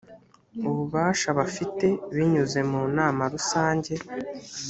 ububasha bafite binyuze mu nama rusange